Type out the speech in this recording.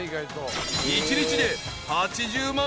［１日で８０万